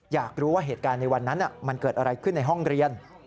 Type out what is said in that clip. อยากรู้ว่าเหตุการณ์ในวันนั้นมันเกิดอะไรขึ้นในห้องเรียน